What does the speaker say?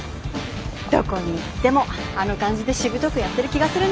どこに行ってもあの感じでしぶとくやってる気がするね。